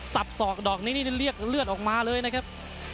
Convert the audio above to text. ศอกดอกนี้นี่เรียกเลือดออกมาเลยนะครับ